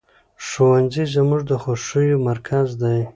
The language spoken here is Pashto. ښوونځی زموږ د خوښیو مرکز دی